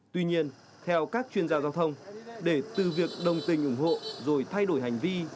tuy nhiên theo các chuyên gia giao thông để từ việc đồng tình ủng hộ rồi thay đổi hành vi